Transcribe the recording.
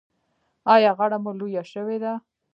ایا غاړه مو لویه شوې ده؟